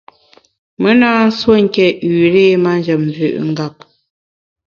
Me na nsuo nké üré manjem mvü’ ngap.